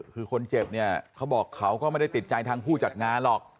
คือคนเจ็บเนี่ยเขาบอกเขาก็ไม่ได้ติดใจทางผู้จัดงานหรอก